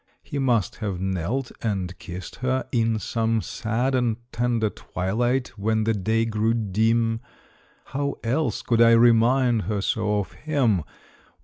He must have knelt and kissed her, in some sad And tender twilight, when the day grew dim. How else could I remind her so of him?